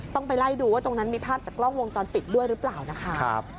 ต้องไปไล่ดูว่าตรงนั้นมีภาพจากกล้องวงจรปิดด้วยหรือเปล่านะคะ